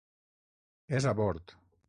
És a bord.